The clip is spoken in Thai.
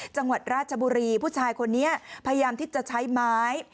จังหวัดราชบุรีผู้ชายคนนี้พยายามที่จะใช้ไม้